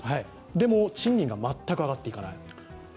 でも賃金が全く上がっていかない。